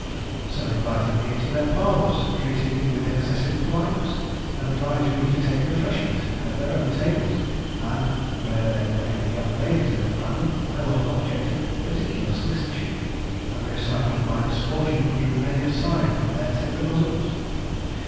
Some invited me into their parlours, treated me with excessive politeness, and obliged me to take refreshment at their own tables; and where there were any young ladies in the family, I was an object of particular solicitude, and the recital of my misfortunes drew many a sigh from their tender bosoms.